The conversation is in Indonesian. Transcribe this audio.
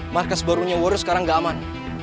markas baru nya warrior sekarang gak aman